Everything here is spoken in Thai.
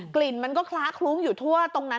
ลิ่นมันก็คล้าคลุ้งอยู่ทั่วตรงนั้น